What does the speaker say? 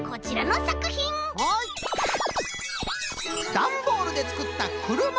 だんボールでつくったくるま。